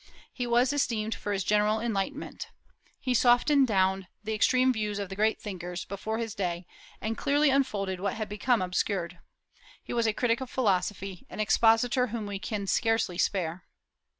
He was esteemed for his general enlightenment. He softened down the extreme views of the great thinkers before his day, and clearly unfolded what had become obscured. He was a critic of philosophy, an expositor whom we can scarcely spare.